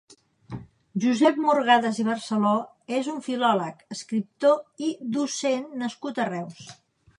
Josep Murgades i Barceló és un filòleg, escriptor i docent nascut a Reus.